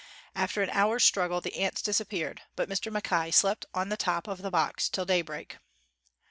After an hour's struggle, the ants disappeared, but Mr. Mackay slept on the top of the box till daybreak.